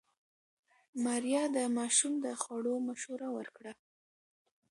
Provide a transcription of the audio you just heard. ماريا د ماشوم د خوړو مشوره ورکړه.